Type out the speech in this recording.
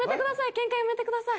ケンカやめてください。